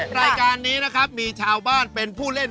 รายการนี้นะครับมีชาวบ้านเป็นผู้เล่น